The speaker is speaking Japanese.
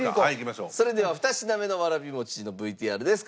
それでは２品目のわらび餅のＶＴＲです。